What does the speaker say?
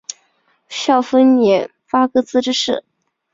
下分廿八个自治市。